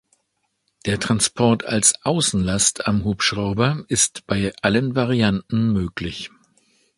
Der Transport als Außenlast am Hubschrauber ist bei allen Varianten möglich.